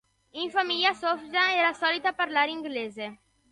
In famiglia, Sof'ja era solita parlare in inglese.